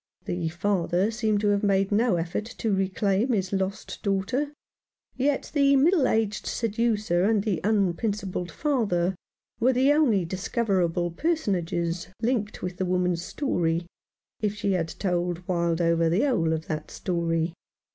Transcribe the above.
The father seemed to have made no effort to reclaim his lost daughter, yet the middle aged seducer and the unprincipled father were the only discoverable personages linked with the woman's story, if she had told Wildover the whole of that story.